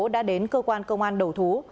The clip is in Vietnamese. đã đến cơ quan công an đầu thú